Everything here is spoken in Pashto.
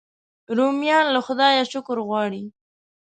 رومیان له خدایه شکر غواړي